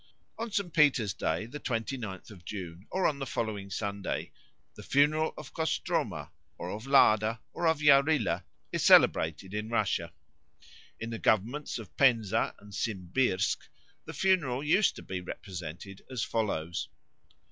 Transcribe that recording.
On St. Peter's Day, the twenty ninth of June, or on the following Sunday, "the Funeral of Kostroma" or of Lada or of Yarilo is celebrated in Russia. In the Governments of Penza and Simbirsk the funeral used to be represented as follows.